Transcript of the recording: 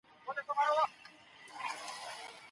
که مسلمان نه وای نو ډېر خلک به نه وای ورسره.